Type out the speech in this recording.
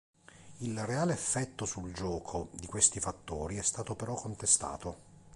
Il reale effetto sul gioco di questi fattori è stato però contestato.